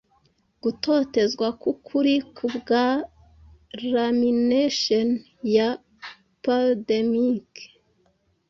Gutotezwa kwukuri, Kubwa 'lamination' ya 'pademic',